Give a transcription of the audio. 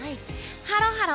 ハロハロ！